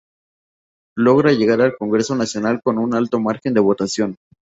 Logra llegar al Congreso Nacional con un alto margen de votación.